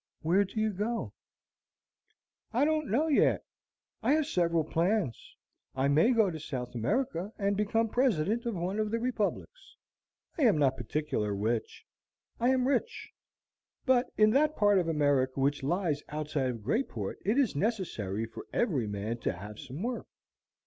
Where do you go?" "I don't know yet. I have several plans. I may go to South America and become president of one of the republics, I am not particular which. I am rich, but in that part of America which lies outside of Greyport it is necessary for every man to have some work.